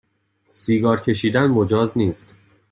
سیگار کشیدن مجاز نیست